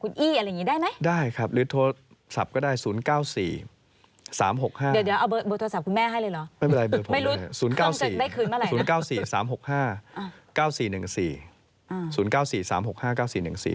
ดีอี่จริงไม่งั้นแหละเดี๋ยวเพิ่งบวชนิ